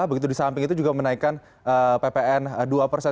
begitu disamping itu juga menaikan ppn dua persen